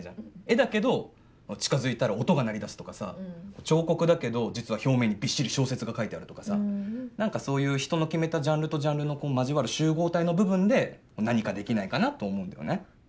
絵だけど近づいたら音が鳴り出すとかさ彫刻だけどじつは表面にびっしり小説が書いてあるとかさなんかそういう人の決めたジャンルとジャンルの交わる集合体の部分で何かできないかなと思うんだよね。